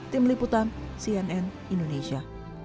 tim liputan cnn indonesia